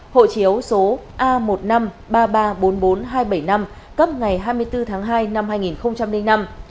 hộ chiếu số a một năm ba ba bốn bốn hai bảy năm cấp ngày hai mươi bốn tháng hai năm hai nghìn năm